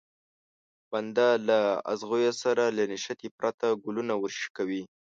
بنده له ازغيو سره له نښتې پرته ګلونه ورشکوي.